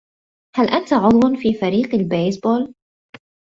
هل أنت عضو في فريق البيسبول؟